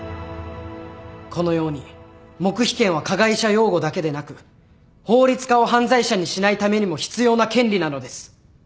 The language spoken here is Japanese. このように黙秘権は加害者擁護だけでなく法律家を犯罪者にしないためにも必要な権利なのです。